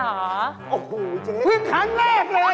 โอ้โฮเจ๊ลุยมครั้งแรกเลย